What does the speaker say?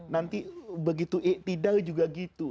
nanti begitu iktidal juga gitu